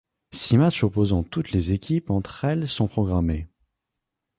Six matches opposant toutes les équipes entre elles sont programmés.